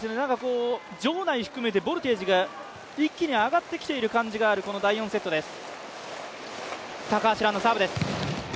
場内含めてボルテージが一気に上がってきている感じがあるこの第４セットです。